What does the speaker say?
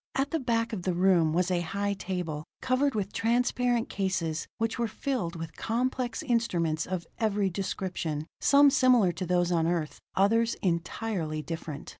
At the back of the room was a high table, covered with transparent cases which were filled with complex instruments of every description, some similar to those on Earth; others entirely different.